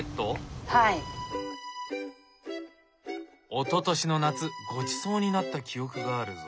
おととしの夏ごちそうになった記憶があるぞ。